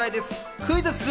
クイズッス。